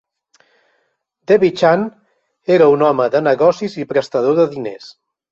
Devi Chand era un home de negocis i prestador de diners.